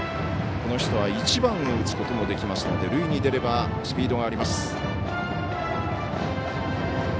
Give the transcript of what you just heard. この人は１番を打つこともできますので塁に出ればスピードがあります。